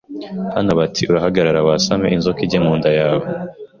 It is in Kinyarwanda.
hano bati urahagarara wasame inzoka ijye mu nda yawe